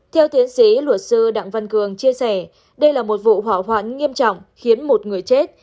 theo tiến sĩ luật sư đặng văn cường chia sẻ đây là một vụ hỏa hoạn nghiêm trọng khiến một người chết